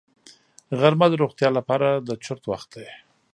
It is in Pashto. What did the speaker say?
غرمه د روغتیا لپاره د چرت وخت دی